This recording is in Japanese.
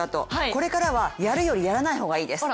これからは、やるよりやらない方がいいです。